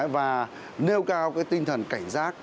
và nêu cao tinh thần cảnh giác